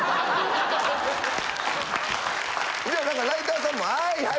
いやなんかライターさんもはいはい。